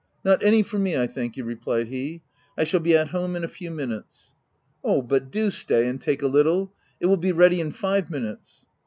" Not any for me, I thank you/' replied he ;" I shall be at home in a few minutes." " Oh, but do stay and take a little ! it will be ready in five minutes."